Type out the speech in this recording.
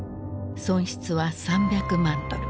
損失は３００万ドル。